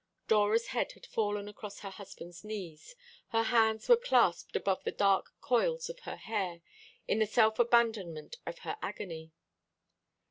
Dora's head had fallen across her husband's knees, her hands were clasped above the dark coils of her hair, in the self abandonment of her agony.